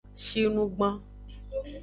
Shinugban.